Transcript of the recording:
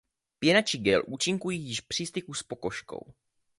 Pěna či gel účinkují již při styku s pokožkou.